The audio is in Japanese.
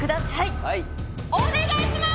はいお願いします！